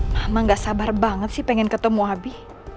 mama gak sabar banget sih pengen ketemu habi